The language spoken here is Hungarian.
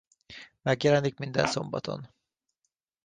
Megjelenik minden szombaton.